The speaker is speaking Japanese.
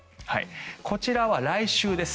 こちらは来週です。